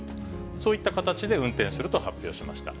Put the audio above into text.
そういった形で運転すると発表しました。